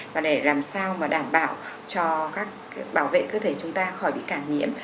và để làm sao mà đảm bảo cho các bảo vệ cơ thể chúng ta khỏi bị cản nhiễm